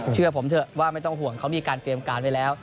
เชื่อผมเถอะว่าไม่ต้องห่วงเขามีการเตรียมการไว้แล้ว